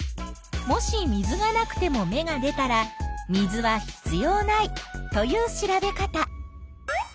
もし水がなくても芽が出たら水は必要ないという調べ方。